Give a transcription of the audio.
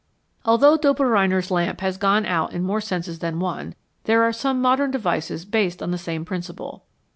Although Dobereiner's lamp has gone out in more senses than one, there are some modern devices based on the same principle.